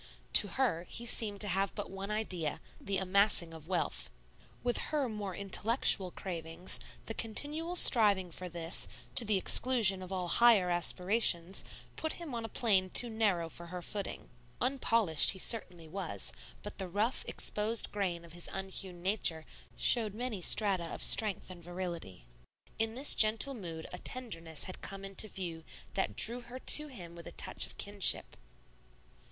To her he seemed to have but one idea, the amassing of wealth. With her more intellectual cravings, the continual striving for this, to the exclusion of all higher aspirations, put him on a plane too narrow for her footing. Unpolished he certainly was, but the rough, exposed grain of his unhewn nature showed many strata of strength and virility. In this gentle mood a tenderness had come into view that drew her to him with a touch of kinship.